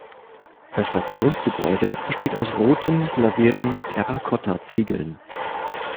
Das Stationsgebäude besteht aus roten glasierten Terrakotta-Ziegeln.